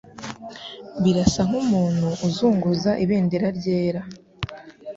Birasa nkumuntu uzunguza ibendera ryera.